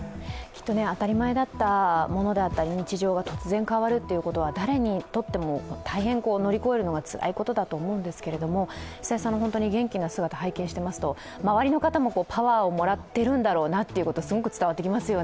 当たり前だったものであったり日常が突然変わるということは誰にとっても大変乗り越えるのがつらいことだと思うんですけども、久世さんの元気な姿を拝見していますと周りの方もパワーをもらっているんだろうなということがすごく伝わってきますよね。